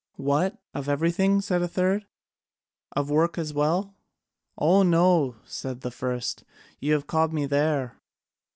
"What? Of everything?" said a third. "Of work as well?" "Oh, no!" said the first, "you have caught me there.